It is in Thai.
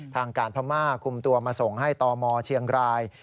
ทางการพม่าคุมตัวมาส่งให้ตมเชียงราย